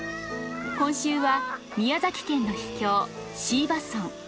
今週は宮崎県の秘境椎葉村。